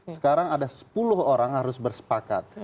sekarang ada sepuluh orang harus bersepakat